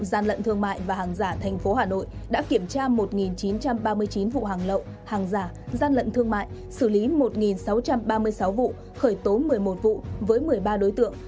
tổng số tiền thu nộp ngân sách nhà nước và hàng giả thành phố hà nội đã kiểm tra một chín trăm ba mươi chín vụ hàng lậu hàng giả gian lận thương mại xử lý một sáu trăm ba mươi sáu vụ khởi tố một mươi một vụ với một mươi ba đối tượng